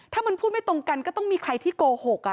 ถ้ามันพูดไม่ตรงกันก็ต้องมีใครที่โกหก